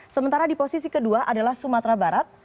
sementara di posisi kedua adalah sumatera barat